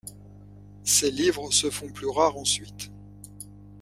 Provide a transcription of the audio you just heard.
Ses livres se font plus rares ensuite.